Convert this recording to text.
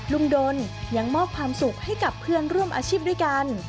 ดนยังมอบความสุขให้กับเพื่อนร่วมอาชีพด้วยกัน